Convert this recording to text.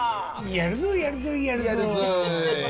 やるぞやるぞやるぞー！